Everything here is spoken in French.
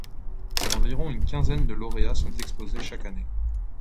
Environ une quinzaine de lauréat-e-s sont exposés chaque année.